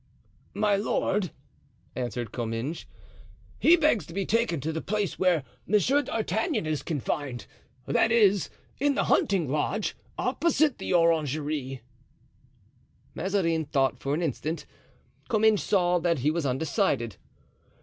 "My lord," answered Comminges, "he begs to be taken to the place where Monsieur d'Artagnan is confined—that is, in the hunting lodge, opposite the orangery." Mazarin thought for an instant. Comminges saw that he was undecided.